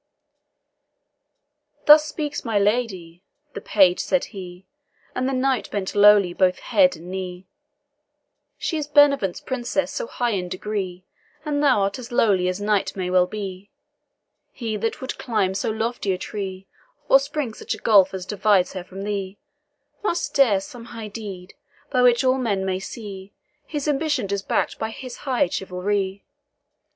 "Thus speaks my lady," the page said he, And the knight bent lowly both head and knee, "She is Benevent's Princess so high in degree, And thou art as lowly as knight may well be He that would climb so lofty a tree, Or spring such a gulf as divides her from thee, Must dare some high deed, by which all men may see His ambition is back'd by his hie chivalrie.